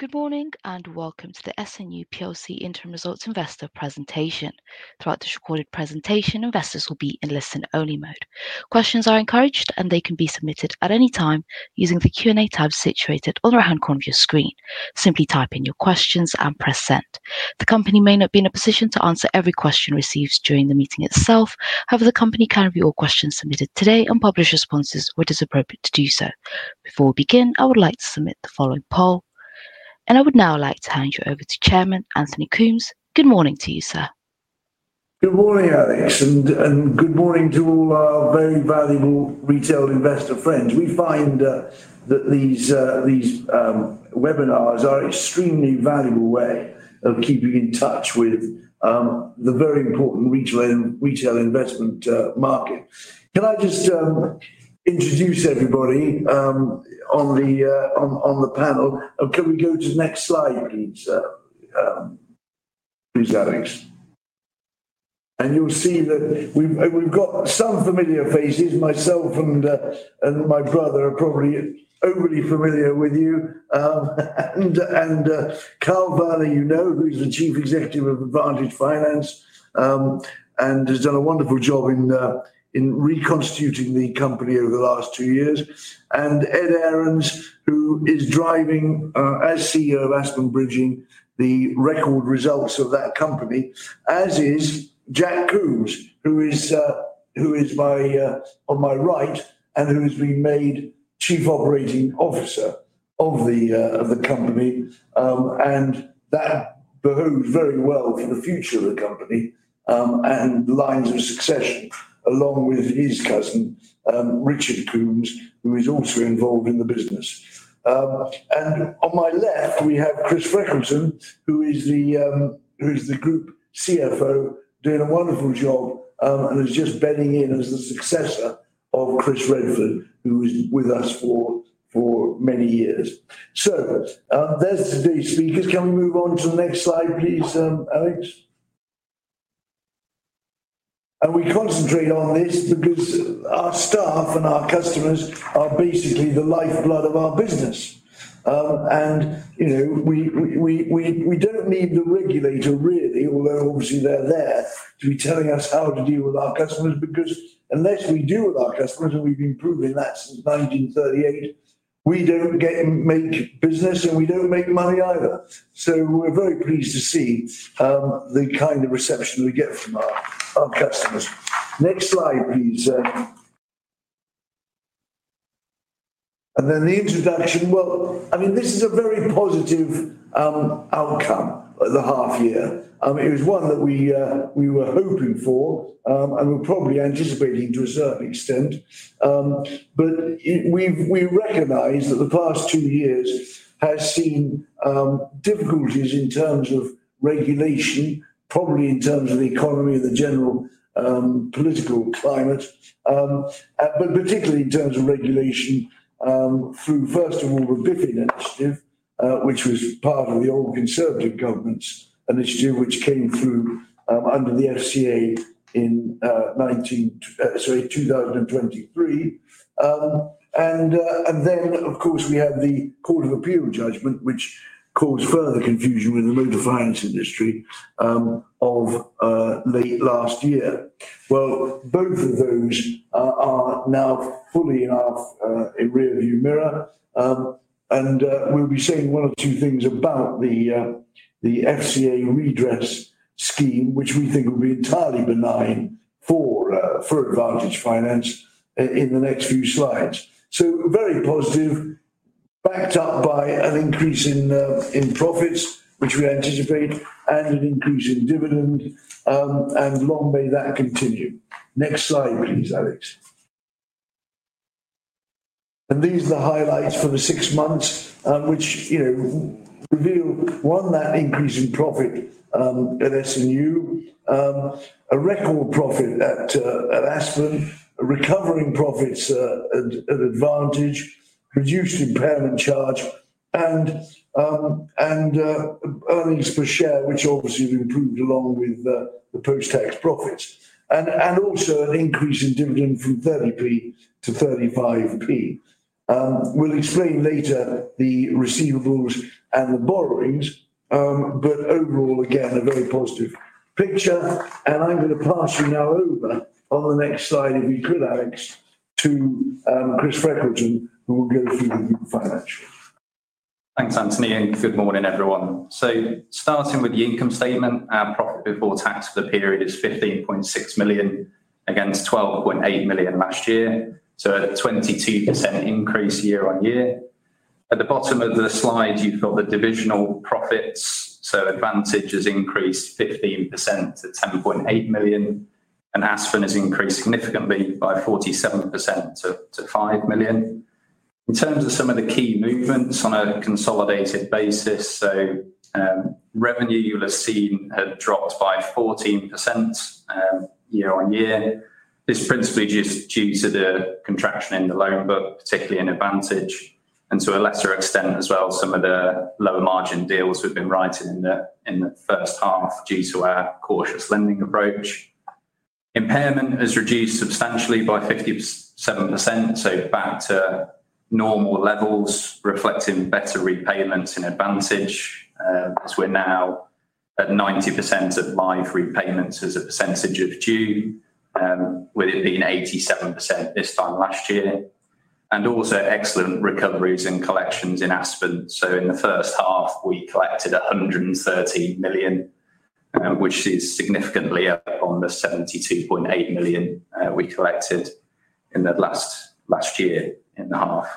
Good morning and welcome to the S&U plc Interim Results investor presentation. Throughout this recorded presentation, investors will be in listen-only mode. Questions are encouraged and they can be submitted at any time using the Q&A tab situated on the right-hand corner of your screen. Simply type in your questions and press send. The company may not be in a position to answer every question received during the meeting itself. However, the company can review all questions submitted today and publish responses where it is appropriate to do so. Before we begin, I would like to submit the following poll. I would now like to hand you over to Chairman Anthony Coombs. Good morning to you, sir. Good morning, Alice, and good morning to all our very valuable retail investor friends. We find that these webinars are an extremely valuable way of keeping in touch with the very important retail investment market. Can I just introduce everybody on the panel? Can we go to the next slide, please, Alice? You'll see that we've got some familiar faces. Myself and my brother are probably overly familiar with you. Karl Werner, who's the Chief Executive of Advantage Finance, has done a wonderful job in reconstituting the company over the last two years. Ed Ahrens, who is driving, as CEO of Aspen Bridging, the record results of that company, as is Jack Coombs, who is on my right and who has been made Chief Operating Officer of the company. That bodes very well for the future of the company and the lines of succession, along with his cousin, Richard Coombs, who is also involved in the business. On my left, we have Chris Freckelton, who is the Group CFO, doing a wonderful job and is just bedding in as a successor of Chris Redford, who was with us for many years. There's today's speakers. Can we move on to the next slide, please, Alice? We concentrate on this because our staff and our customers are basically the lifeblood of our business. We don't need the regulator, really, although obviously they're there, to be telling us how to deal with our customers because unless we deal with our customers, and we've been proving that since 1938, we don't make business and we don't make money either. We're very pleased to see the kind of reception we get from our customers. Next slide, please. The introduction. This is a very positive outcome, the half year. It was one that we were hoping for and we're probably anticipating to a certain extent. We recognize that the past two years have seen difficulties in terms of regulation, probably in terms of the economy and the general political climate, particularly in terms of regulation through, first of all, the BIF initiative, which was part of the old Conservative Governance initiative, which came through under the FCA in, sorry, 2023. Of course, we had the Court of Appeal judgment, which caused further confusion with the motor finance industry of late last year. Both of those are now fully in our rearview mirror. We will be saying one or two things about the FCA redress scheme, which we think will be entirely benign for Advantage Finance in the next few slides. It is very positive, backed up by an increase in profits, which we anticipate, and an increase in dividends. Long may that continue. Next slide, please, Alice. These are the highlights for the six months, which reveal, one, that increase in profit at S&U, a record profit at Aspen, recovering profits at Advantage, reduced impairment charge, and earnings per share, which obviously have improved along with the post-tax profits. There is also an increase in dividends from 0.30 to 0.35. We will explain later the receivables and the borrowings, but overall, again, a very positive picture. I am going to pass you now over on the next slide, if you could, Alice, to Chris Freckelton, who will go through the financials. Thanks, Anthony, and good morning, everyone. Starting with the income statement, our profit before tax for the period is 15.6 million against 12.8 million last year, a 22% increase year-on-year. At the bottom of the slide, you've got the divisional profits. Advantage has increased 15% to 10.8 million, and Aspen has increased significantly by 47% to 5 million. In terms of some of the key movements on a consolidated basis, revenue you'll have seen dropped by 14% year-on-year. It's principally just due to the contraction in the loan book, particularly in Advantage, and to a lesser extent as well, some of the lower margin deals we've been writing in the first half due to our cautious lending approach. Impairment has reduced substantially by 57%, back to normal levels, reflecting better repayments in Advantage, as we're now at 90% of live repayments as a percentage of due, with it being 87% this time last year, and also excellent recoveries and collections in Aspen. In the first half, we collected 130 million, which is significantly up on the 72.8 million we collected in the last year in the half.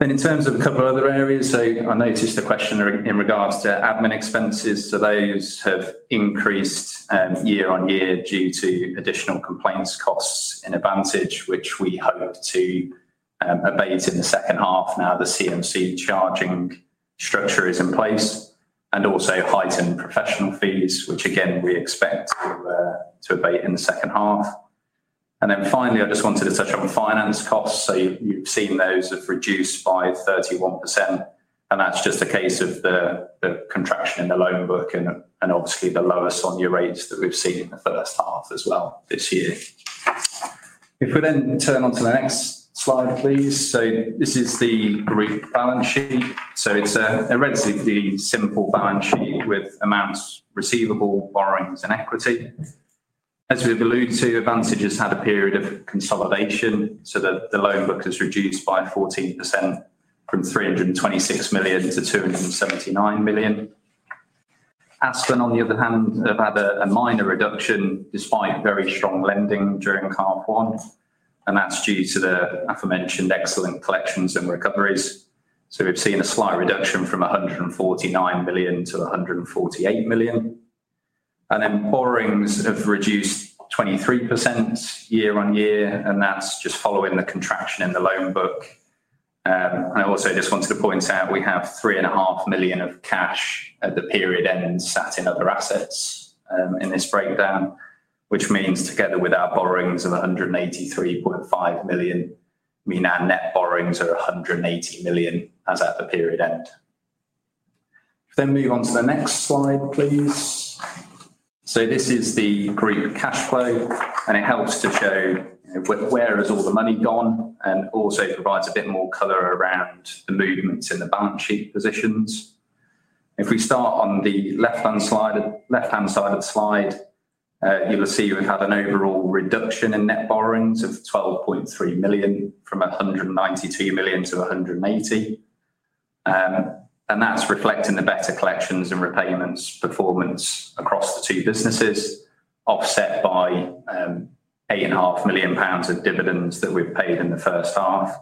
In terms of a couple of other areas, I noticed a question in regards to admin expenses. Those have increased year-on-year due to additional complaints costs in Advantage, which we hope to abate in the second half now the CMC charging structure is in place, and also heightened professional fees, which again we expect to abate in the second half. Finally, I just wanted to touch on finance costs. You've seen those have reduced by 31%, and that's just a case of the contraction in the loan book and obviously the lower SONIA rates that we've seen in the first half as well this year. If we then turn on to the next slide, please. This is the group balance sheet. It's a relatively simple balance sheet with amounts receivable, borrowings, and equity. As we've alluded to, Advantage has had a period of consolidation, so the loan book has reduced by 14% from 326 million to 279 million. Aspen, on the other hand, they've had a minor reduction despite very strong lending during half one, and that's due to the aforementioned excellent collections and recoveries. We've seen a slight reduction from 149 million to 148 million. Borrowings have reduced 23% year-on-year, and that's just following the contraction in the loan book. I also just wanted to point out we have 3.5 million of cash at the period end sat in other assets in this breakdown, which means together with our borrowings of 183.5 million, our net borrowings are 180 million as at the period end. Please move on to the next slide. This is the group cash flow, and it helps to show where all the money has gone, and also provides a bit more color around the movements in the balance sheet positions. If we start on the left-hand side of the slide, you'll see we've had an overall reduction in net borrowings of 12.3 million from 192 million to 180 million, and that's reflecting the better collections and repayments performance across the two businesses, offset by 8.5 million pounds of dividends that we've paid in the first half.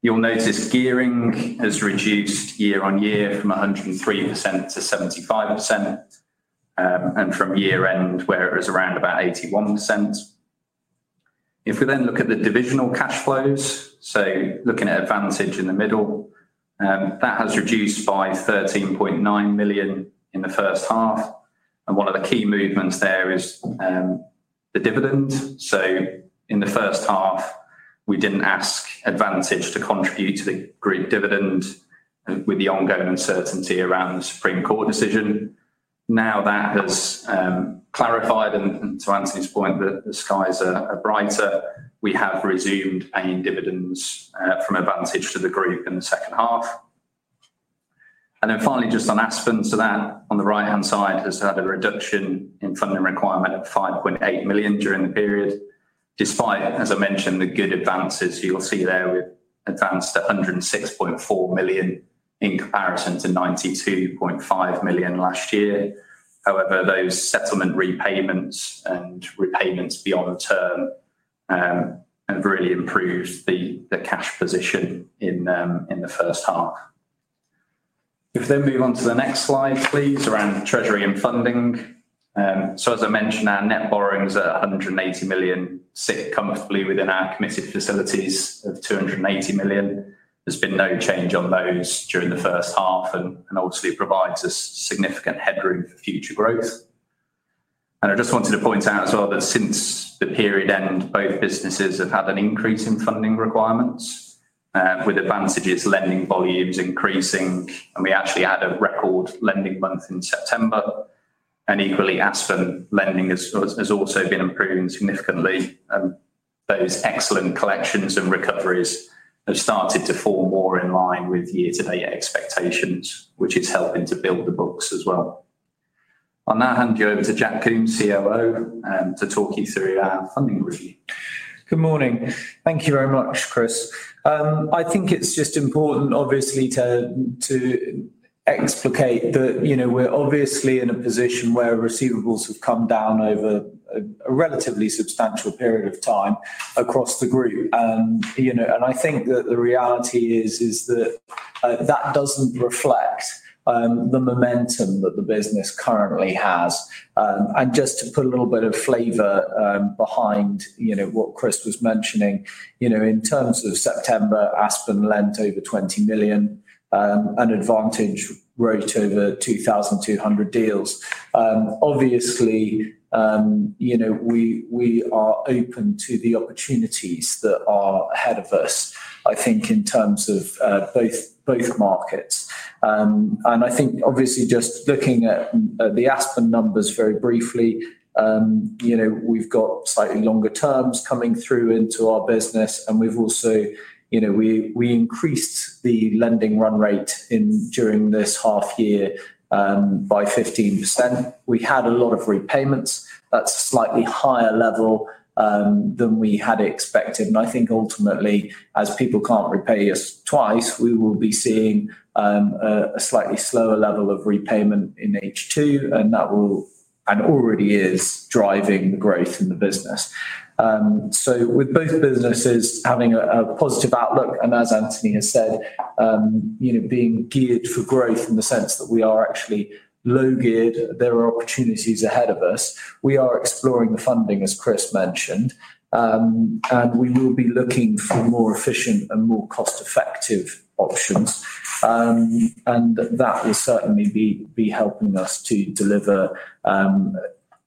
You'll notice gearing has reduced year-on-year from 103% to 75%, and from year end where it was around 81%. If we then look at the divisional cash flows, looking at Advantage in the middle, that has reduced by 13.9 million in the first half, and one of the key movements there is the dividends. In the first half, we didn't ask Advantage to contribute to the group dividend with the ongoing uncertainty around the Supreme Court decision. Now that has clarified, and to Anthony's point, that the skies are brighter, we have resumed paying dividends from Advantage to the group in the second half. Finally, just on Aspen, on the right-hand side, it has had a reduction in funding requirement of 5.8 million during the period, despite, as I mentioned, the good advances you'll see there with Advantage to 106.4 million in comparison to 92.5 million last year. However, those settlement repayments and repayments beyond the term have really improved the cash position in the first half. Please move on to the next slide around treasury and funding. As I mentioned, our net borrowings are 180 million, which sit comfortably within our committed facilities of 280 million. There's been no change on those during the first half, and it provides us significant headroom for future growth. I just wanted to point out as well that since the period end, both businesses have had an increase in funding requirements, with Advantage's lending volumes increasing, and we actually had a record lending month in September. Equally, Aspen lending has also been improving significantly, and those excellent collections and recoveries have started to fall more in line with year-to-date expectations, which is helping to build the books as well. On that hand, you're over to Jack Coombs, COO, to talk you through our funding review. Good morning. Thank you very much, Chris. I think it's just important, obviously, to explicate that we're obviously in a position where receivables have come down over a relatively substantial period of time across the group. I think that the reality is that that doesn't reflect the momentum that the business currently has. Just to put a little bit of flavor behind what Chris was mentioning, in terms of September, Aspen lent over 20 million, and Advantage wrote over 2,200 deals. Obviously, we are open to the opportunities that are ahead of us, I think, in terms of both markets. I think, obviously, just looking at the Aspen numbers very briefly, we've got slightly longer terms coming through into our business, and we've also increased the lending run rate during this half year by 15%. We had a lot of repayments. That's a slightly higher level than we had expected. Ultimately, as people can't repay us twice, we will be seeing a slightly slower level of repayment in HQ, and that will, and already is, drive growth in the business. With both businesses having a positive outlook, and as Anthony has said, being geared for growth in the sense that we are actually low-geared, there are opportunities ahead of us. We are exploring the funding, as Chris mentioned, and we will be looking for more efficient and more cost-effective options. That will certainly be helping us to deliver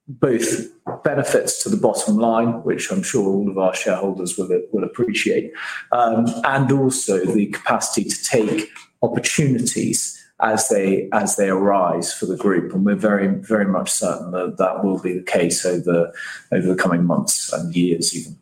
both benefits to the bottom line, which I'm sure all of our shareholders will appreciate, and also the capacity to take opportunities as they arise for the group. We're very, very much certain that that will be the case over the coming months and years, even.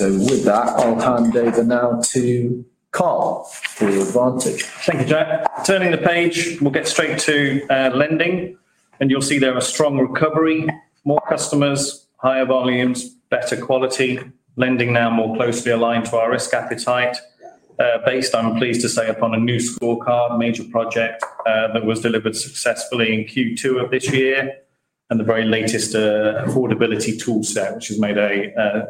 With that, I'll hand over now to Karl for Advantage. Thank you, Jack. Turning the page, we'll get straight to lending, and you'll see there are strong recovery, more customers, higher volumes, better quality. Lending now more closely aligned to our risk appetite, based, I'm pleased to say, upon a new scorecard, major project that was delivered successfully in Q2 of this year, and the very latest affordability toolset, which has made a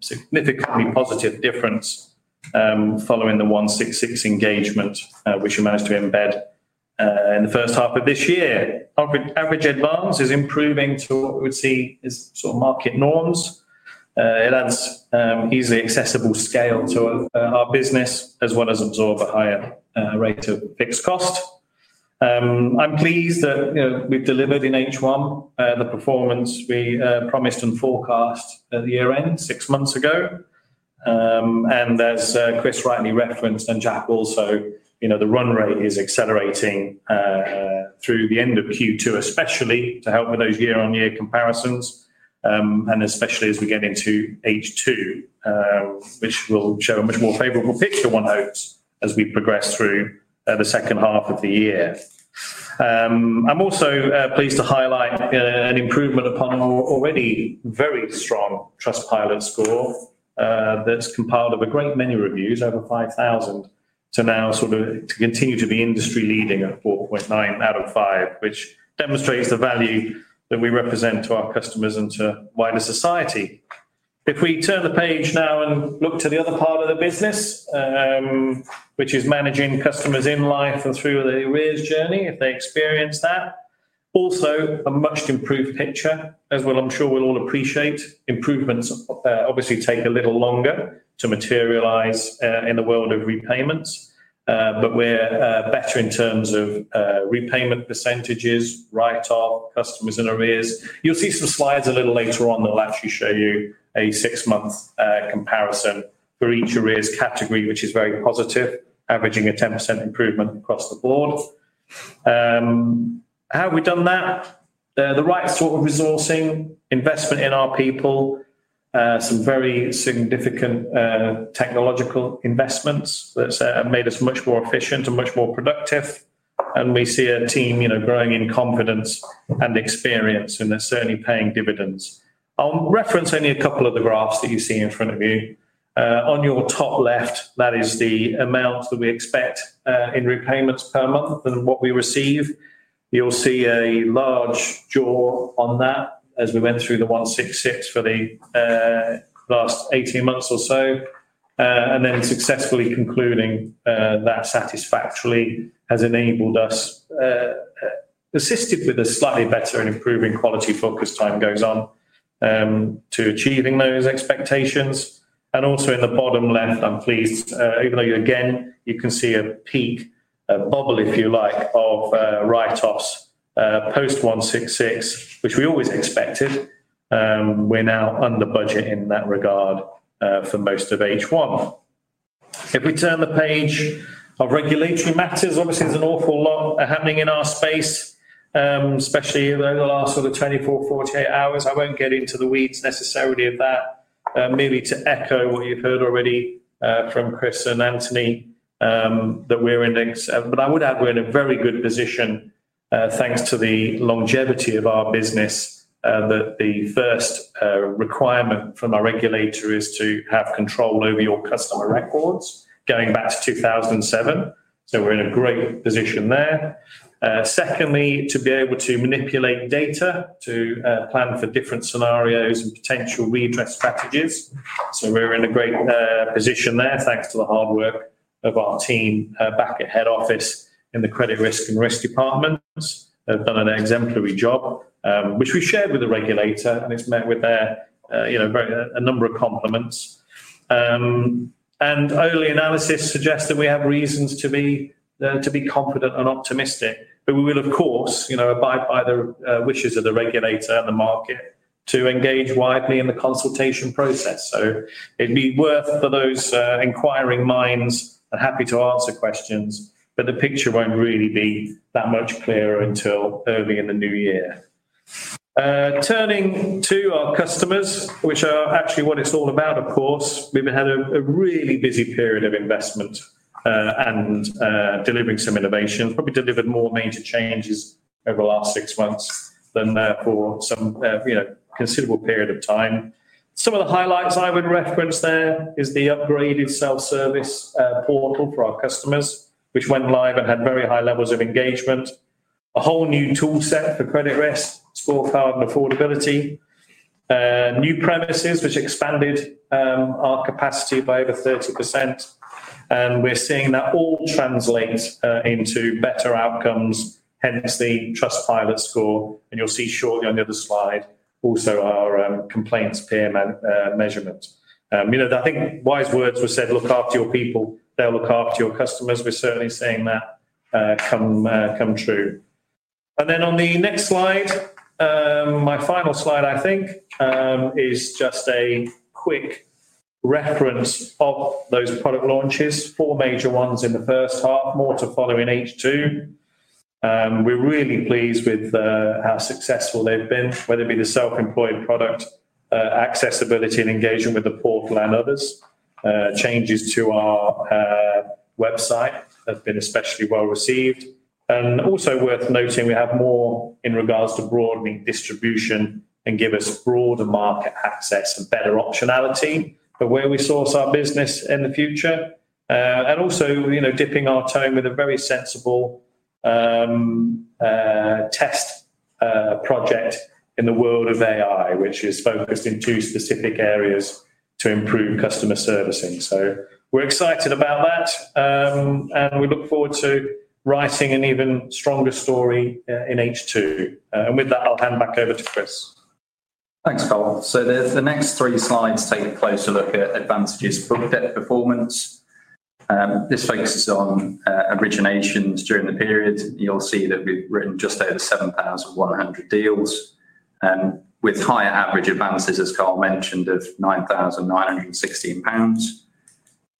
significantly positive difference following the 166 engagement, which you managed to embed in the first half of this year. Average advance is improving to what we would see as sort of market norms. It adds easily accessible scale to our business, as well as absorb a higher rate of fixed cost. I'm pleased that we've delivered in H1 the performance we promised and forecast at the year end six months ago. As Chris rightly referenced, and Jack also, you know, the run rate is accelerating through the end of Q2, especially to help with those year-on-year comparisons, and especially as we get into H2, which will show a much more favorable picture, one hopes, as we progress through the second half of the year. I'm also pleased to highlight an improvement upon an already very strong Trustpilot score that's compiled of a great many reviews, over 5,000, to now sort of continue to be industry-leading at 4.9 out of 5, which demonstrates the value that we represent to our customers and to wider society. If we turn the page now and look to the other part of the business, which is managing customers in life and through their careers journey, if they experience that, also a much improved picture, as well, I'm sure we'll all appreciate. Improvements obviously take a little longer to materialize in the world of repayments, but we're better in terms of repayment percentages, right off customers in arrears. You'll see some slides a little later on that will actually show you a six-month comparison for each arrears category, which is very positive, averaging a 10% improvement across the board. How have we done that? The right sort of resourcing, investment in our people, some very significant technological investments that have made us much more efficient and much more productive. We see a team, you know, growing in confidence and experience, and they're certainly paying dividends. I'll reference only a couple of the graphs that you see in front of you. On your top left, that is the amounts that we expect in repayments per month and what we receive. You'll see a large draw on that as we went through the 166 for the last 18 months or so, and then successfully concluding that satisfactorily has enabled us, assisted with a slightly better and improving quality focus as time goes on to achieving those expectations. Also, in the bottom left, I'm pleased, even though again, you can see a peak bubble, if you like, of write-offs post 166, which we always expected. We're now under budget in that regard for most of H1. If we turn the page of regulatory matters, obviously, there's an awful lot happening in our space, especially over the last sort of 24 hours, 48 hours. I won't get into the weeds necessarily of that, merely to echo what you've heard already from Chris and Anthony that we're in. I would add we're in a very good position, thanks to the longevity of our business, that the first requirement from our regulator is to have control over your customer records, going back to 2007. We're in a great position there. Secondly, to be able to manipulate data to plan for different scenarios and potential redress strategies. We're in a great position there, thanks to the hard work of our team back at head office in the Credit Risk and Risk Department. They've done an exemplary job, which we shared with the regulator, and it's met with a number of compliments. Early analysis suggests that we have reasons to be confident and optimistic. We will, of course, abide by the wishes of the regulator and the market to engage widely in the consultation process. It'd be worth for those inquiring minds and happy to answer questions, but the picture won't really be that much clearer until early in the new year. Turning to our customers, which are actually what it's all about, of course, we've had a really busy period of investment and delivering some innovations. Probably delivered more major changes over the last six months than for some considerable period of time. Some of the highlights I would reference there is the upgraded self-service portal for our customers, which went live and had very high levels of engagement. A whole new toolset for credit risk, scorecard, and affordability. New premises, which expanded our capacity by over 30%. We're seeing that all translate into better outcomes, hence the Trustpilot score. You'll see shortly on the other slide, also our complaints PM measurement. I think wise words were said, look after your people, they'll look after your customers. We're certainly seeing that come true. On the next slide, my final slide, I think, is just a quick reference of those product launches, four major ones in the first half, more to follow in H2. We're really pleased with how successful they've been, whether it be the self-employed product, accessibility and engagement with the portal, and others. Changes to our website have been especially well received. It's also worth noting we have more in regards to broadening distribution, which gives us broader market access and better optionality for where we source our business in the future. We're also dipping our toe with a very sensible test project in the world of AI, which is focused in two specific areas to improve customer servicing. We're excited about that, and we look forward to writing an even stronger story in H2. With that, I'll hand back over to Chris. Thanks, Karl. The next three slides take a closer look at Advantage's debt performance. This focuses on originations during the period. You'll see that we've written just over 7,100 deals, with higher average advances, as Karl mentioned, of 9,916 pounds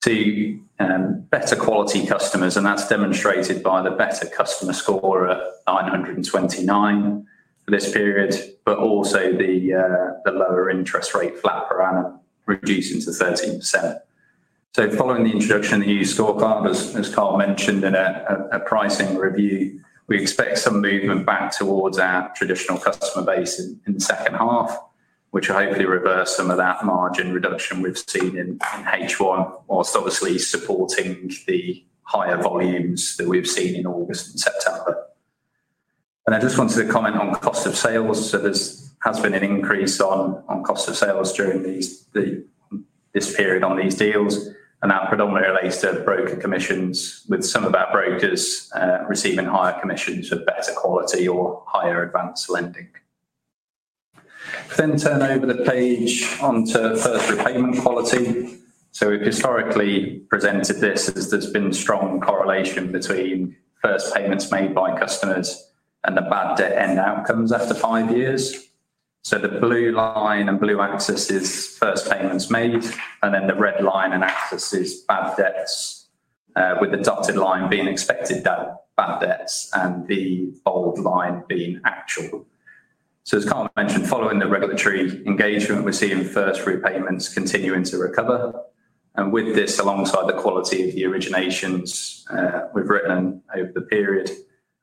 to better quality customers. That's demonstrated by the better customer score at 929 for this period, but also the lower interest rate flat around reducing to 13%. Following the introduction of the used scorecard, as Karl mentioned in a pricing review, we expect some movement back towards our traditional customer base in the second half, which will hopefully reverse some of that margin reduction we've seen in H1, whilst obviously supporting the higher volumes that we've seen in August and September. I just wanted to comment on cost of sales. There has been an increase on cost of sales during this period on these deals, and that predominantly relates to broker commissions, with some of our brokers receiving higher commissions for better quality or higher advanced lending. Turn over the page onto first repayment quality. We've historically presented this as there's been strong correlation between first payments made by customers and the bad debt end outcomes after five years. The blue line and blue axis is first payments made, and the red line and axis is bad debts, with the dotted line being expected to be bad debts and the bold line being actual. As Karl mentioned, following the regulatory engagement, we're seeing first repayments continuing to recover. With this, alongside the quality of the originations we've written over the period,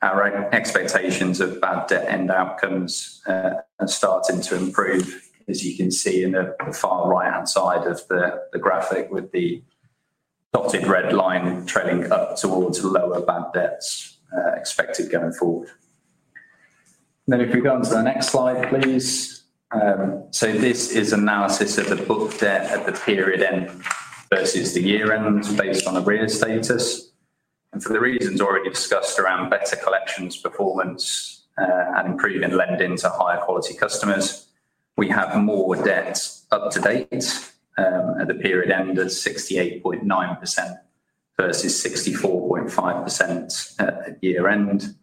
our expectations of bad debt end outcomes are starting to improve, as you can see in the far right-hand side of the graphic with the dotted red line trailing up towards lower bad debts expected going forward. If we go on to the next slide, please. This is analysis of the book debt at the period end versus the year end based on arrears status. For the reasons already discussed around better collections performance and improving lending to higher quality customers, we have more debt up to date at the period end at 68.9% versus 64.5% at year end.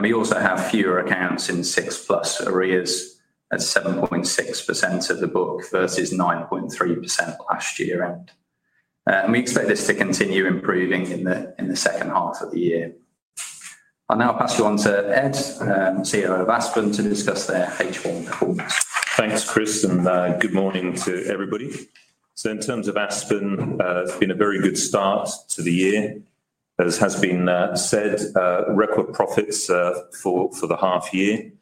We also have fewer accounts in six plus arrears at 7.6% of the book versus 9.3% last year end. We expect this to continue improving in the second half of the year. I'll now pass you on to Ed, CEO of Aspen, to discuss their H1 performance. Thanks, Chris, and good morning to everybody. In terms of Aspen, it's been a very good start to the year. As has been said, record profits for the half year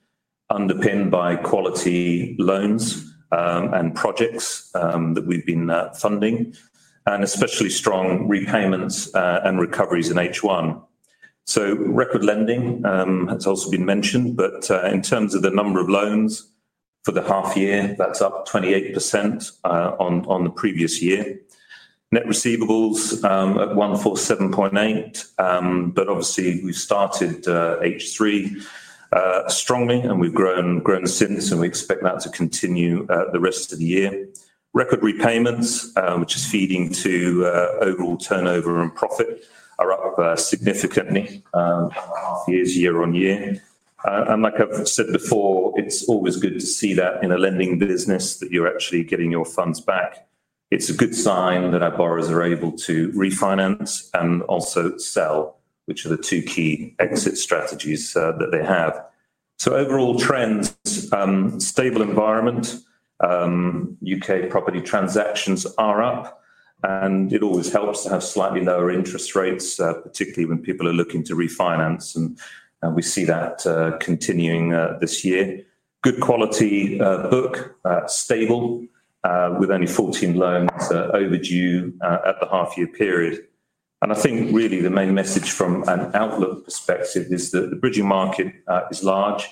underpinned by quality loans and projects that we've been funding, and especially strong repayments and recoveries in H1. Record lending has also been mentioned, but in terms of the number of loans for the half year, that's up 28% on the previous year. Net receivables at 147.8 million, but obviously we've started H3 strongly and we've grown since, and we expect that to continue the rest of the year. Record repayments, which is feeding to overall turnover and profit, are up significantly year-on-year. Like I've said before, it's always good to see that in a lending business that you're actually getting your funds back. It's a good sign that our borrowers are able to refinance and also sell, which are the two key exit strategies that they have. Overall trend, stable environment. U.K. property transactions are up, and it always helps to have slightly lower interest rates, particularly when people are looking to refinance, and we see that continuing this year. Good quality book, stable, with only 14 loans overdue at the half-year period. I think really the main message from an outlook perspective is that the bridging market is large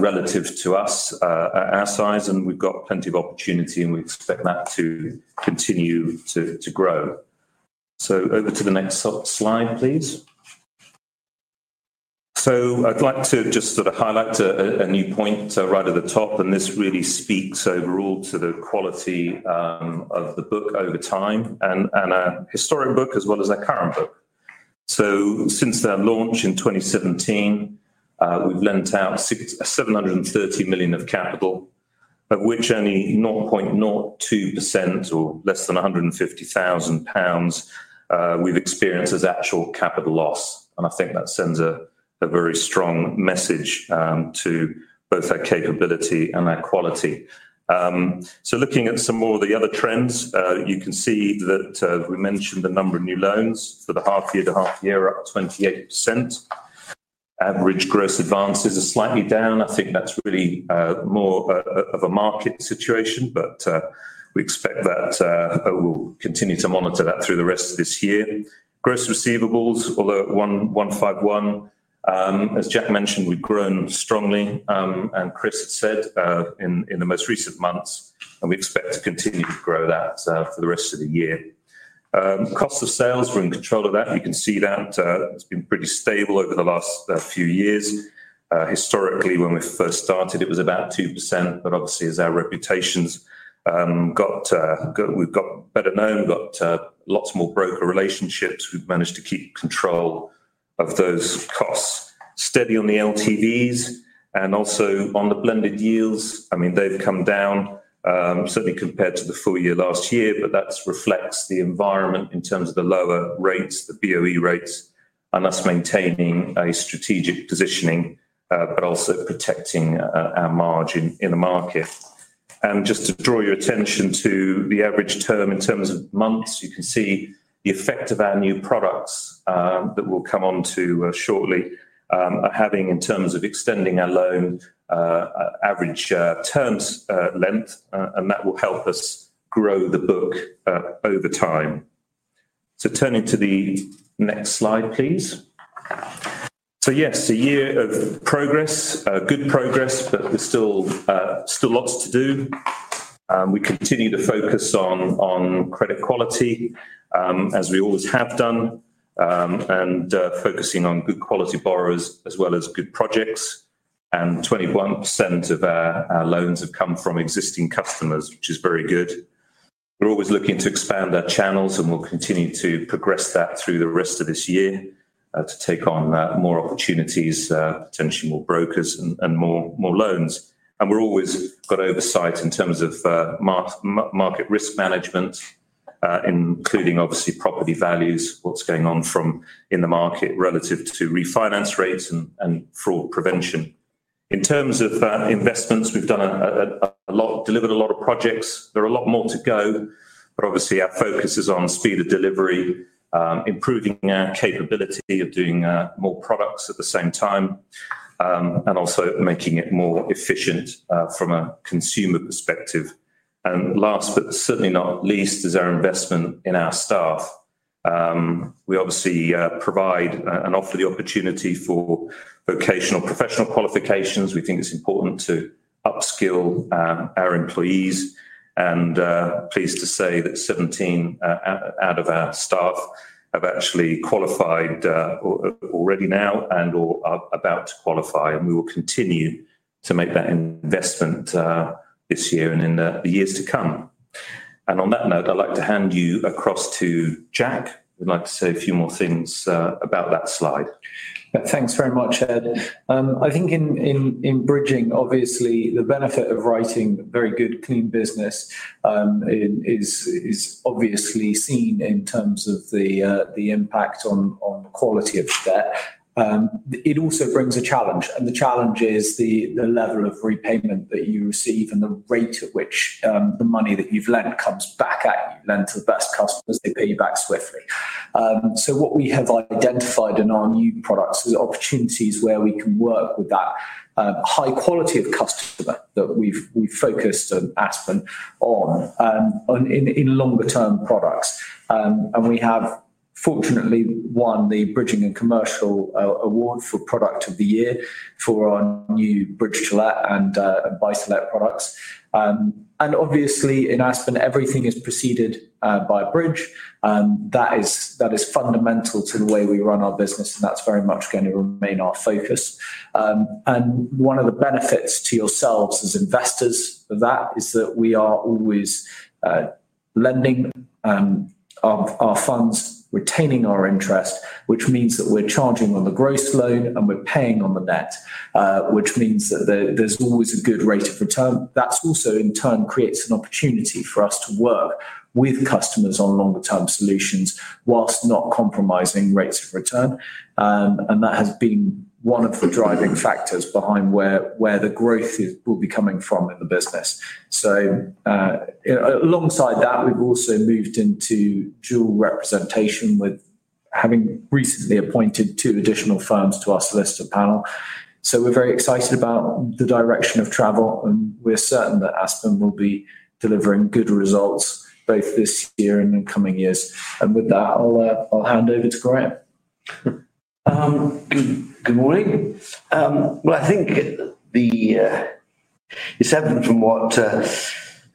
relative to us and our size, and we've got plenty of opportunity, and we expect that to continue to grow. Over to the next slide, please. I'd like to just sort of highlight a new point right at the top, and this really speaks overall to the quality of the book over time, and a historic book as well as a current book. Since our launch in 2017, we've lent out 730 million of capital, of which only 0.02% or less than 150,000 pounds we've experienced as actual capital loss. I think that sends a very strong message to both our capability and our quality. Looking at some more of the other trends, you can see that we mentioned the number of new loans for the half year to half year up 28%. Average gross advances are slightly down. I think that's really more of a market situation, but we expect that we'll continue to monitor that through the rest of this year. Gross receivables, although at 151 million, as Jack mentioned, we've grown strongly, and Chris said in the most recent months, and we expect to continue to grow that for the rest of the year. Cost of sales, we're in control of that. You can see that it's been pretty stable over the last few years. Historically, when we first started, it was about 2%, but obviously as our reputations got, we've got better known, got lots more broker relationships, we've managed to keep control of those costs. Steady on the LTVs and also on the blended yields. I mean, they've come down certainly compared to the full year last year, but that reflects the environment in terms of the lower rates, the BOE rates, and us maintaining a strategic positioning, but also protecting our margin in the market. Just to draw your attention to the average term in terms of months, you can see the effect of our new products that will come onto shortly are having in terms of extending our loan average terms length, and that will help us grow the book over time. Turning to the next slide, please. Yes, a year of progress, good progress, but there's still lots to do. We continue to focus on credit quality, as we always have done, and focusing on good quality borrowers as well as good projects. 21% of our loans have come from existing customers, which is very good. We're always looking to expand our channels, and we'll continue to progress that through the rest of this year to take on more opportunities, potentially more brokers, and more loans. We've always got oversight in terms of market risk management, including obviously property values, what's going on in the market relative to refinance rates and fraud prevention. In terms of investments, we've done a lot, delivered a lot of projects. There are a lot more to go, but obviously our focus is on speed of delivery, improving our capability of doing more products at the same time, and also making it more efficient from a consumer perspective. Last but certainly not least is our investment in our staff. We obviously provide and offer the opportunity for vocational professional qualifications. We think it's important to upskill our employees, and pleased to say that 17 out of our staff have actually qualified already now and are about to qualify, and we will continue to make that investment this year and in the years to come. On that note, I'd like to hand you across to Jack. I'd like to say a few more things about that slide. Thanks very much, Ed. I think in bridging, obviously, the benefit of writing very good clean business is obviously seen in terms of the impact on quality of debt. It also brings a challenge, and the challenge is the level of repayment that you receive and the rate at which the money that you've lent comes back at you. Lend to the best customers, they pay you back swiftly. What we have identified in our new products is opportunities where we can work with that high quality of customer that we've focused on Aspen on in longer-term products. We have, fortunately, won the Bridging and Commercial Award for Product of the Year for our new Bridge-to-Let and [Biselect] products. Obviously, in Aspen, everything is preceded by Bridge. That is fundamental to the way we run our business, and that's very much going to remain our focus. One of the benefits to yourselves as investors of that is that we are always lending our funds, retaining our interest, which means that we're charging on the gross loan and we're paying on the net, which means that there's always a good rate of return. That also, in turn, creates an opportunity for us to work with customers on longer-term solutions whilst not compromising rates of return. That has been one of the driving factors behind where the growth will be coming from in the business. Alongside that, we've also moved into dual representation with having recently appointed two additional firms to our solicitor panel. We're very excited about the direction of travel, and we're certain that Aspen will be delivering good results both this year and in the coming years. With that, I'll hand over to Graham. Good morning. I think it's heaven from what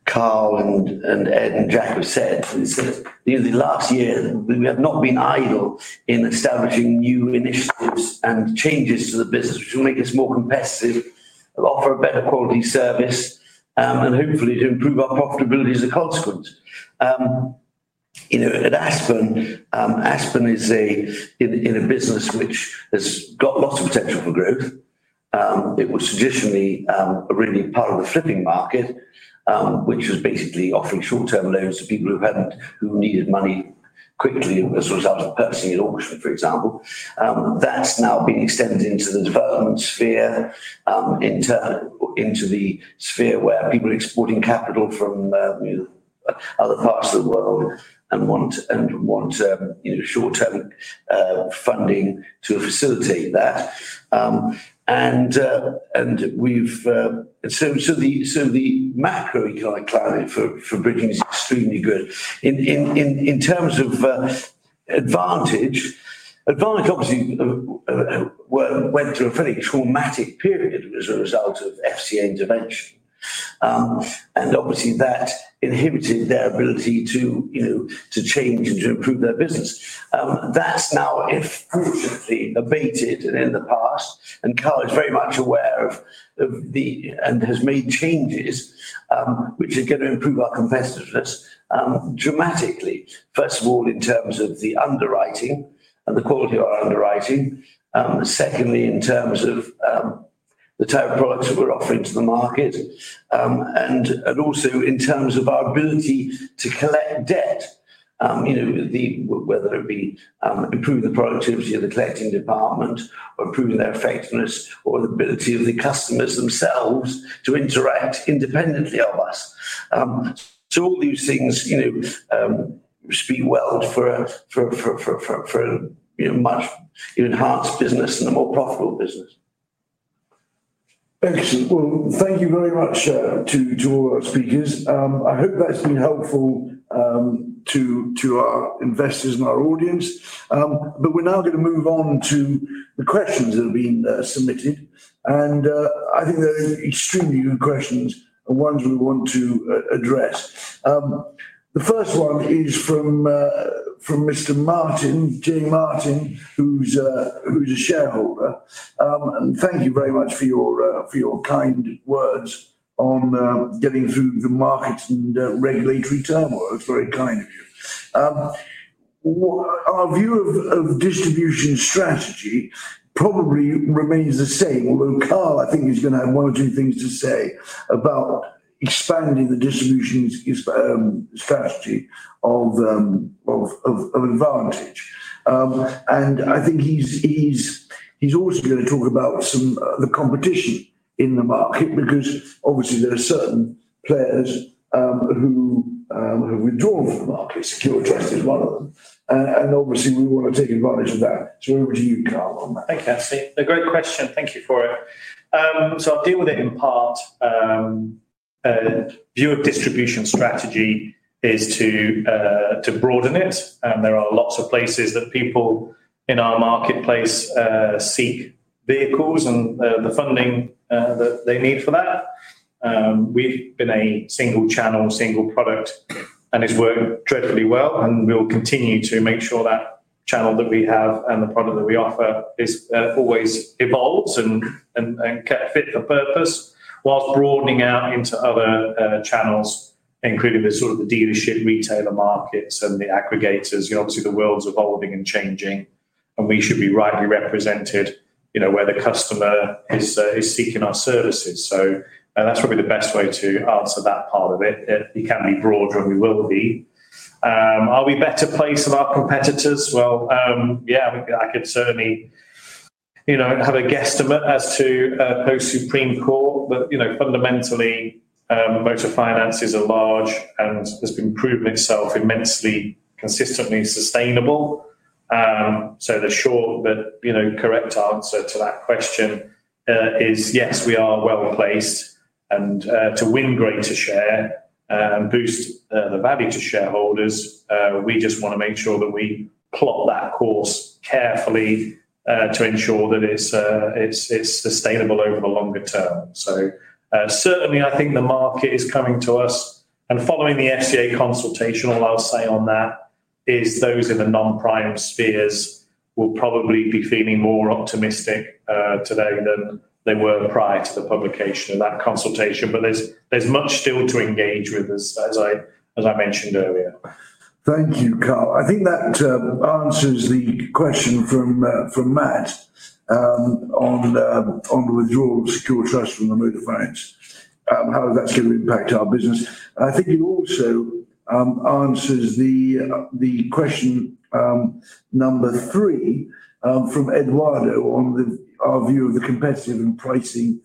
Karl and Ed and Jack have said. The last year, we have not been idle in establishing new initiatives and changes to the business, which will make us more competitive, offer a better quality service, and hopefully to improve our profitability as a consequence. Aspen is in a business which has got lots of potential for growth. It was traditionally a really part of the flipping market, which was basically offering short-term loans to people who needed money quickly as a result of purchasing an auction, for example. That's now been extended into the development sphere, into the sphere where people are exporting capital from other parts of the world and want short-term funding to facilitate that. The macro climate for bridging is extremely good. In terms of Advantage, Advantage obviously went through a fairly traumatic period as a result of FCA intervention. Obviously, that inhibited their ability to change and to improve their business. That's now efficiently abated in the past, and Karl is very much aware of the and has made changes which are going to improve our competitiveness dramatically. First of all, in terms of the underwriting and the quality of our underwriting. Secondly, in terms of the type of products that we're offering to the market. Also in terms of our ability to collect debt, whether it be improving the productivity of the collecting department or improving their effectiveness or the ability of the customers themselves to interact independently of us. All these things, you know, speak well for an enhanced business and a more profitable business. Excellent. Thank you very much to all our speakers. I hope that's been helpful to our investors and our audience. We're now going to move on to the questions that have been submitted. I think they're extremely good questions and ones we want to address. The first one is from Mr. Martin, Jay Martin, who's a shareholder. Thank you very much for your kind words on getting through the markets and regulatory turmoil. It's very kind. Our view of distribution strategy probably remains the same, although Karl, I think, is going to have one or two things to say about expanding the distribution strategy of Advantage. I think he's also going to talk about some of the competition in the market because obviously tcertain players havewithdrawn from the market. Secure Trust is one of them. Obviously, we want to take advantage of that. It's over to you, Karl. Thanks, Anthony. A great question. Thank you for it. I'll deal with it in part. View of distribution strategy is to broaden it. There are lots of places that people in our marketplace seek vehicles and the funding that they need for that. We've been a single channel, single product, and it's worked incredibly well. We'll continue to make sure that channel that we have and the product that we offer always evolves and is kept fit for purpose, whilst broadening out into other channels, including the dealership, retailer markets, and the aggregators. Obviously, the world's evolving and changing. We should be rightly represented where the customer is seeking our services. That's probably the best way to answer that part of it. It can be broader and we will be. Are we a better place than our competitors? Yeah, I could certainly have a guesstimate as to post-Supreme Court, but you know, fundamentally, motor finance is large and has proven itself immensely consistently sustainable. The short but correct answer to that question is, yes, we are well placed. To win greater share and boost the value to shareholders, we just want to make sure that we plot that course carefully to ensure that it's sustainable over the longer term. I think the market is coming to us. Following the FCA consultation, all I'll say on that is those in the non-privates will probably be feeling more optimistic today than they were prior to the publication of that consultation. There's much still to engage with, as I mentioned earlier. Thank you, Karl. I think that answers the question from Matt on the withdrawal of Secure Trust from the motor finance. How is that going to impact our business? I think it also answers the question number three from Eduardo on our view of the competitive and pricing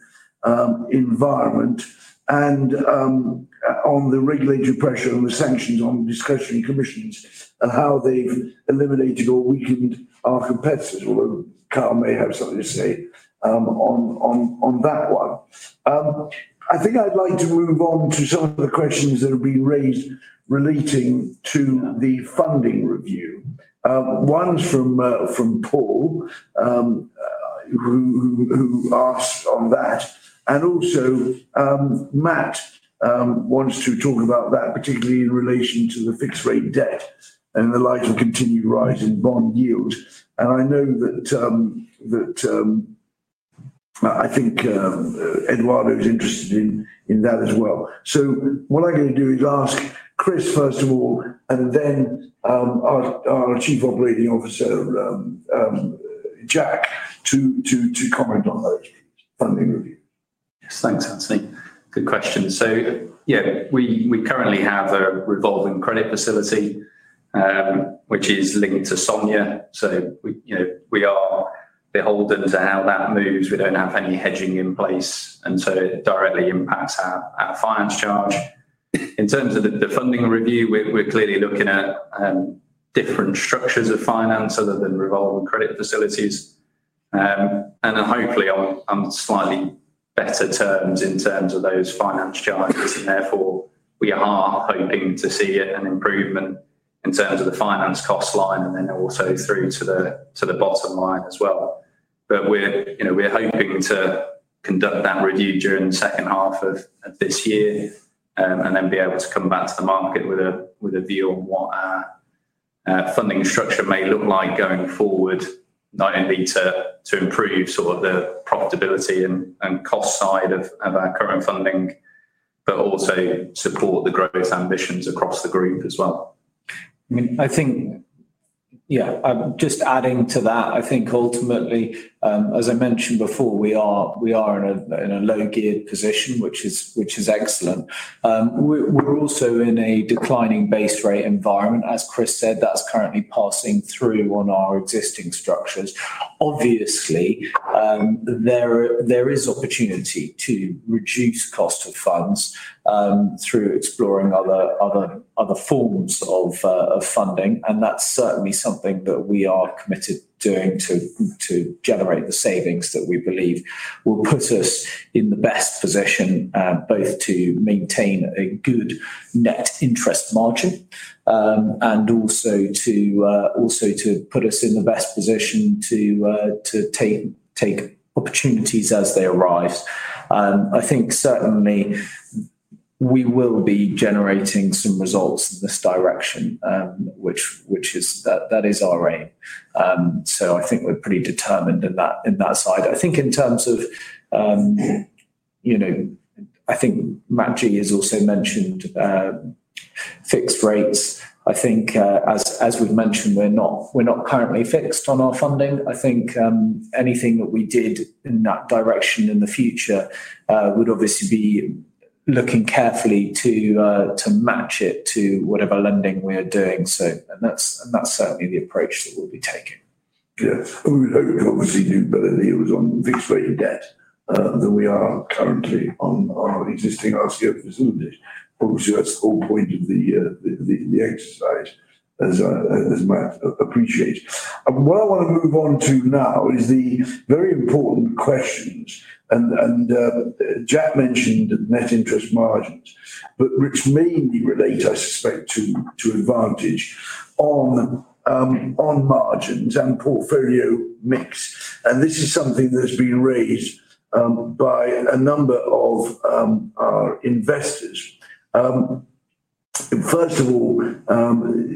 environment and on the regulatory pressure and the sanctions on discretionary commissions and how they've eliminated or weakened our competitors. Karl may have something to say on that one. I think I'd like to move on to some of the questions that have been raised relating to the funding review. One's from Paul, who asked on that. Matt wants to talk about that, particularly in relation to the fixed-rate debt and in the light of continued rise in bond yields. I know that I think Eduardo is interested in that as well. What I'm going to do is ask Chris, first of all, and then our Chief Operating Officer, Jack, to comment on funding review. Thanks, Anthony. Good question. We currently have a revolving credit facility, which is linked to SONIA. We are beholden to how that moves. We don't have any hedging in place, so it directly impacts our finance charge. In terms of the funding review, we're clearly looking at different structures of finance other than revolving credit facilities, hopefully on slightly better terms in terms of those finance charges. Therefore, we are hoping to see an improvement in terms of the finance cost line and also through to the bottom line as well. We're hoping to conduct that review during the second half of this year and then be able to come back to the market with a view on what our funding structure may look like going forward, not only to improve the profitability and cost side of our current funding, but also support the growth ambitions across the group as well. I think, yeah, just adding to that, I think ultimately, as I mentioned before, we are in a low-geared position, which is excellent. We're also in a declining base rate environment. As Chris said, that's currently passing through on our existing structures. Obviously, there is opportunity to reduce cost of funds through exploring other forms of funding. That's certainly something that we are committed to doing to generate the savings that we believe will put us in the best position both to maintain a good net interest margin and also to put us in the best position to take opportunities as they arise. I think certainly we will be generating some results in this direction, which is our aim. I think we're pretty determined in that side. I think in terms of, you know, I think Matt has also mentioned fixed rates. As we've mentioned, we're not currently fixed on our funding. I think anything that we did in that direction in the future would obviously be looking carefully to match it to whatever lending we are doing. That's certainly the approach that we'll be taking. Yes. We would hope it's what we'll see better deals on fixed-rate debt than we are currently on our existing RCL facility. Obviously, that's the whole point of the exercise, as Matt appreciates. What I want to move on to now is the very important questions. Jack mentioned net interest margin, which may relate, I suspect, to Advantage on margins and portfolio mix. This is something that has been raised by a number of our investors. First of all, Eduardo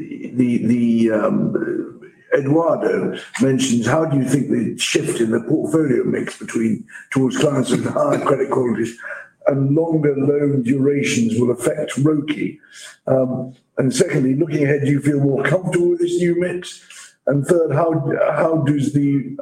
mentions, how do you think the shift in the portfolio mix between towards financing high credit quality and longer loan durations will affect ROKI? Secondly, looking ahead, do you feel more comfortable with this new mix? Third, how does the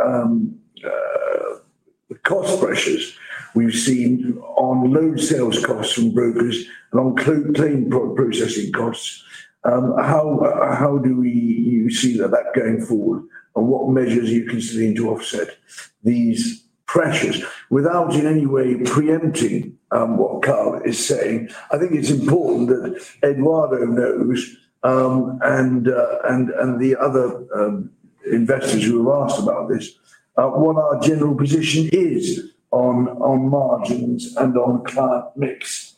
cost pressures we've seen on load sales costs from brokers and on claim processing costs, how do you see that going forward? What measures are you considering to offset these pressures? Without in any way preempting what Karl is saying, I think it's important that Eduardo knows and the other investors who have asked about this, what our general position is on margins and on client mix.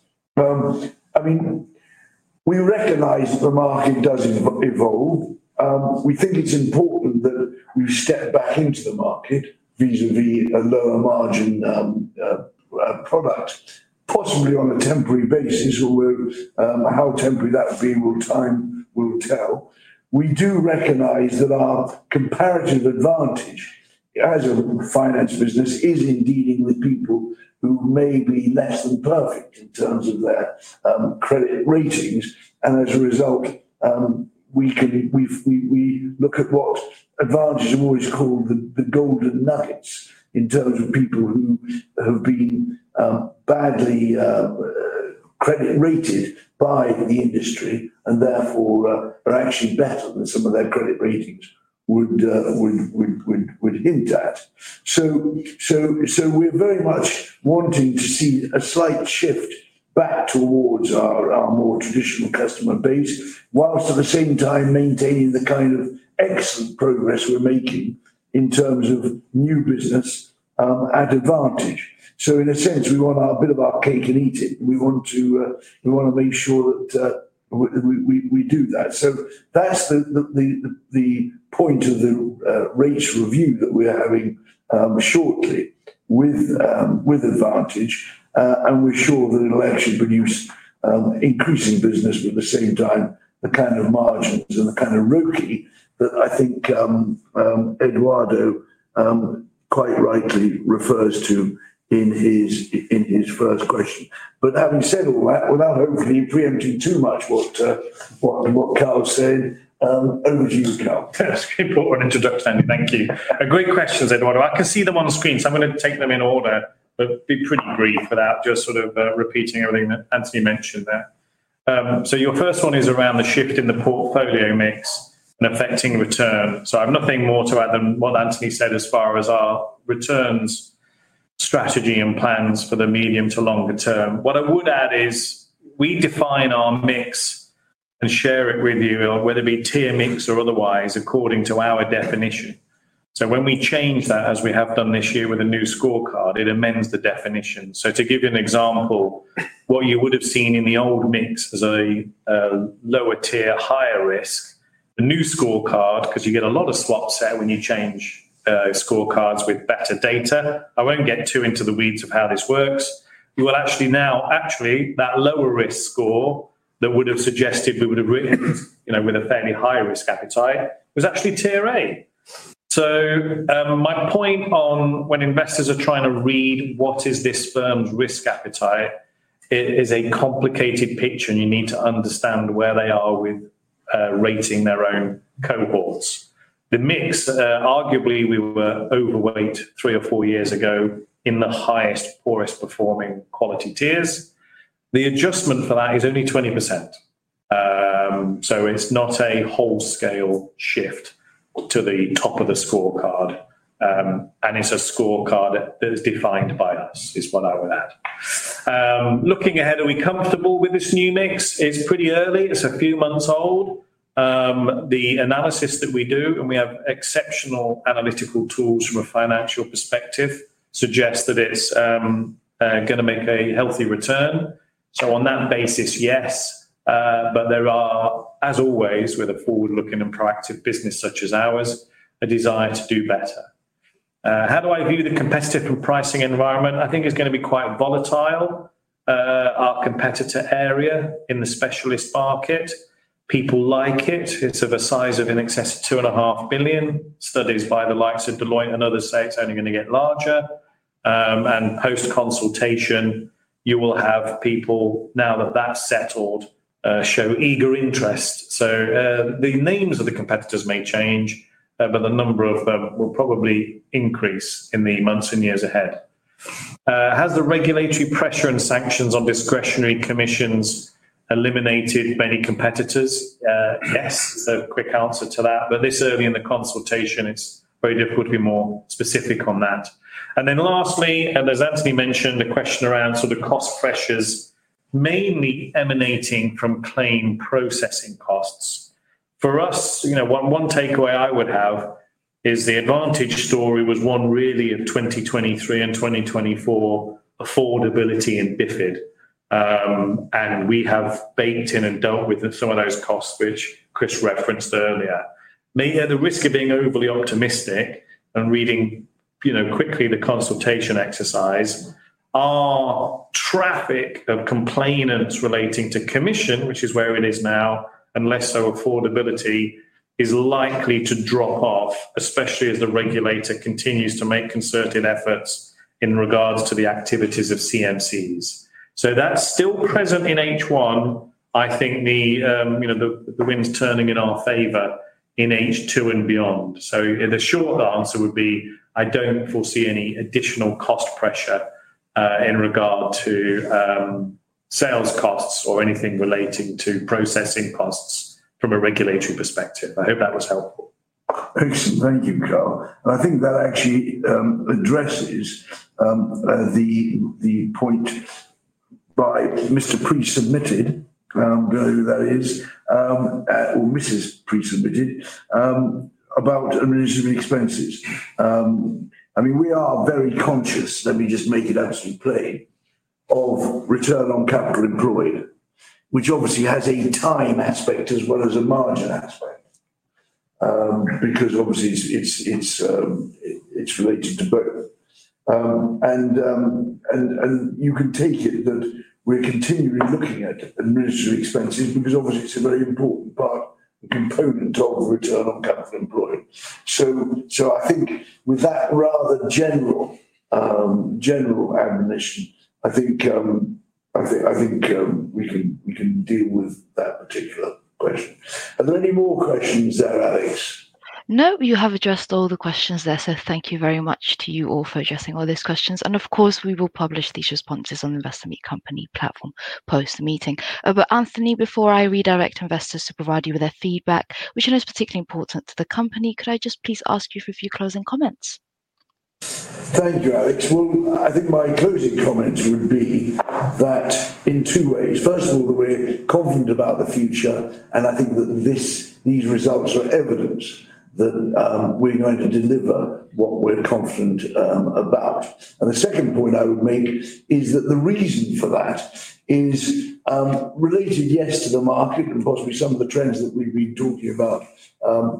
We recognize the market does evolve. We think it's important that we step back into the market, vis-à-vis a lower margin product, possibly on a temporary basis, or how temporary that will be, time will tell. We do recognize that our comparative advantage as a finance business is in dealing with people who may be less than perfect in terms of their credit ratings. As a result, we look at what Advantage have always called the golden knight in terms of people who have been badly credit rated by the industry and therefore are actually better than some of their credit rating would hint at. We're very much wanting to see a slight shift back towards our more traditional customer base, whilst at the same time maintaining the kind of excellent progress we're making in terms of new business at Advantage. In a sense, we want our bit of our cake and eat it. We want to make sure that we do that. That's the point of the race review that we're having shortly with Advantage. We're sure that it'll actually produce increasing business at the same time, the kind of margins and the kind of ROKI that I think Eduardo quite rightly refers to in his first question. Having said all that, without hopefully preempting too much what Karl said, over to you, Karl. That's an important introduction, thank you. Great questions, Eduardo. I can see them on screen, so I'm going to take them in order, but be pretty brief without just repeating everything that Anthony mentioned there. Your first one is around the shift in the portfolio mix and affecting return. I have nothing more to add than what Anthony said as far as our returns strategy and plans for the medium to longer term. What I would add is we define our mix and share it with you, whether it be tier mix or otherwise, according to our definition. When we change that, as we have done this year with a new scorecard, it amends the definition. To give you an example, what you would have seen in the old mix is a lower tier, higher risk. The new scorecard, because you get a lot of swaps set when you change scorecards with better data, I won't get too into the weeds of how this works. We will actually now, actually, that lower risk score that would have suggested we would have written with a fairly high risk appetite was actually tier A. My point on when investors are trying to read what is this firm's risk appetite, it is a complicated picture and you need to understand where they are with rating their own cohorts. The mix, arguably, we were overweight three or four years ago in the highest poorest performing quality tiers. The adjustment for that is only 20%. It's not a whole scale shift to the top of the scorecard. It's a scorecard that is defined by us, is what I would add. Looking ahead, are we comfortable with this new mix? It's pretty early. It's a few months old. The analysis that we do, and we have exceptional analytical tools from a financial perspective, suggests that it's going to make a healthy return. On that basis, yes. There are, as always, with a forward-looking and proactive business such as ours, a desire to do better. How do I view the competitor from pricing environment? I think it's going to be quite volatile. Our competitor area in the specialist market, people like it. It's of a size of in excess of 2.5 billion. Studies by the likes of Deloitte and other sites are only going to get larger. Post-consultation, you will have people now that that's settled show eager interest. The names of the competitors may change, but the number of them will probably increase in the months and years ahead. Has the regulatory pressure and sanctions on discretionary commissions eliminated many competitors? Yes, a quick answer to that. This early in the consultation, it's very difficult to be more specific on that. Lastly, as Anthony mentioned, a question around sort of cost pressures mainly emanating from claim processing costs. For us, one takeaway I would have is the Advantage story was one really of 2023 and 2024 affordability and BIF initiative. We have baked in and dealt with some of those costs, which Chris referenced earlier. Maybe at a risk of being overly optimistic and reading quickly the consultation exercise, our traffic of complainants relating to commission, which is where it is now, and less so affordability, is likely to drop off, especially as the regulator continues to make concerted efforts in regards to the activities of CMCs. That's still present in H1. I think the wind's turning in our favor in H2 and beyond. The short answer would be I don't foresee any additional cost pressure in regard to sales costs or anything relating to processing costs from a regulatory perspective. I hope that was helpful. Excellent. Thank you, Karl. I think that actually addresses the point Mr. Pre submitted, that is, or Mrs. Pre submitted, about administrative expenses. We are very conscious, let me just make it actually plain, of return on capital employed, which obviously has a time aspect as well as a margin aspect, because obviously it's related to both. You can take it that we're continually looking at administrative expenses, because obviously it's a very important part, component of return on capital employed. I think with that rather general admonition, we can deal with that particular question. Are there any more questions there, Alice? No, you have addressed all the questions there. Thank you very much to you all for addressing all those questions. Of course, we will publish these responses on the Investor Meet Company platform post the meeting. Anthony, before I redirect investors to provide you with their feedback, which I know is particularly important to the company, could I just please ask you for a few closing comments? Thank you, Alex. I think my closing comments would be that in two ways, first of all, that we're confident about the future, and I think that these results are evidence that we're going to deliver what we're confident about. The second point I would make is that the reason for that is related, yes, to the market and possibly some of the trends that we've been talking about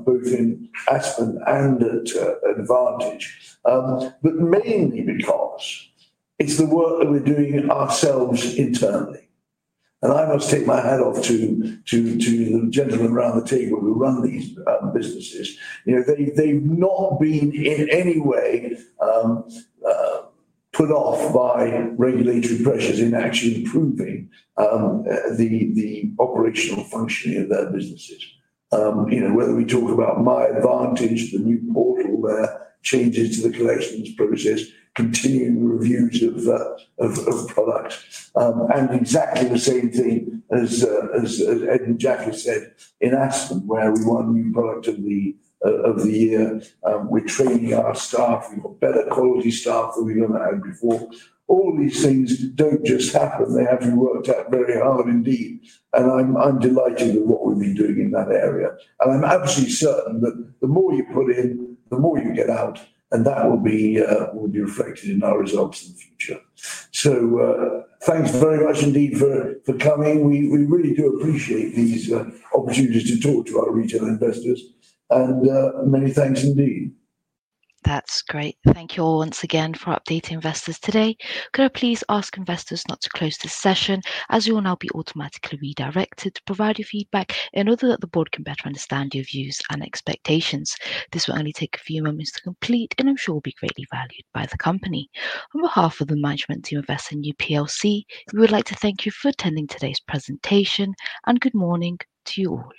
both in Aspen and at Advantage, but mainly because it's the work that we're doing ourselves internally. I must take my hat off to the gentlemen around the table who run these businesses. They've not been in any way put off by regulatory pressures in actually improving the operational functioning of their businesses. Whether we talk about Advantage, the new portal there, changes to the collections process, continuing reviews of products, and exactly the same thing as Ed and Jack have said in Aspen, where we won the product of the year. We're training our staff, better quality staff than we've ever had before. All these things don't just happen. They have been worked out very hard indeed. I'm delighted at what we've been doing in that area. I'm absolutely certain that the more you put in, the more you get out, and that will be reflected in our results in the future. Thanks very much indeed for coming. We really do appreciate these opportunities to talk to our retail investors. Many thanks indeed. That's great. Thank you all once again for updating investors today. Could I please ask investors not to close this session, as you will now be automatically redirected to provide your feedback in order that the board can better understand your views and expectations? This will only take a few moments to complete, and I'm sure it will be greatly valued by the company. On behalf of the management team of S&U plc, we would like to thank you for attending today's presentation, and good morning to you all.